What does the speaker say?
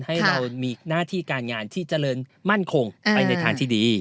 ให้เรามีหน้าที่การงานที่เจริญมั่นคงไปในทางที่ดี